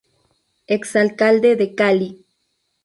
Exalcalde de Cali.